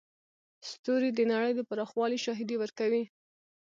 ستوري د نړۍ د پراخوالي شاهدي ورکوي.